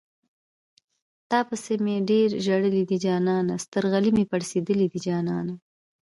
تاپسې مې ډېر ژړلي دي جانانه سترغلي مې پړسېدلي دي جانانه